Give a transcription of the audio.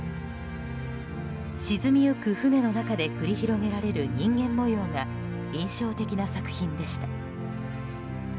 沈みゆく船の中で繰り広げられる人間模様が印象的な作品でした。